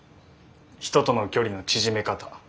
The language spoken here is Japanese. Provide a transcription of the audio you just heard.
人との距離の縮め方。